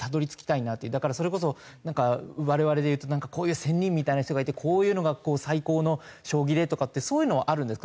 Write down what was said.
だからそれこそ我々でいうとこういう仙人みたいな人がいてこういうのが最高の将棋でとかってそういうのはあるんですか？